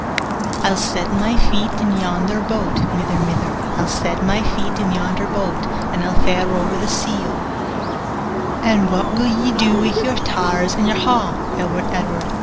'I'll set my feet in yonder boat, Mither, mither; 30 I'll set my feet in yonder boat, And I'll fare over the sea, O.' 'And what will ye do wi' your tow'rs and your ha', Edward, Edward?